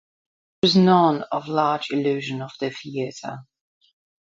There’s none of the large illusion of the theatre.